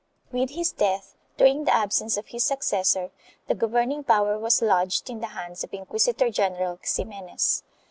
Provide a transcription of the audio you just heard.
"1 With his death, during the absence of his successor, the governing power was lodged in the hands of Inquisitor general Ximenes.